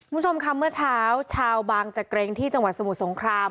คุณผู้ชมค่ะเมื่อเช้าชาวบางจักรงที่จังหวัดสมุทรสงคราม